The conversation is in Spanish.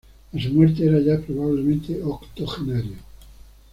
A su muerte, era ya probablemente octogenario.